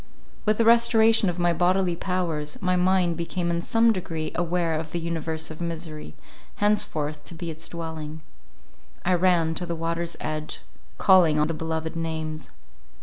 With the restoration of my bodily powers, my mind became in some degree aware of the universe of misery, henceforth to be its dwelling. I ran to the water's edge, calling on the beloved names.